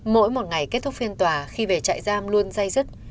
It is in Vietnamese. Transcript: mỗi một ngày kết thúc phiên tòa khi về trại giam luôn dây dứt